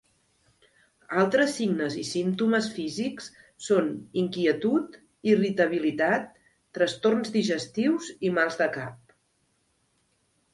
Altres signes i símptomes físics són inquietud, irritabilitat, trastorns digestius i mals de cap.